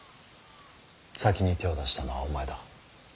先に手を出したのはお前だ。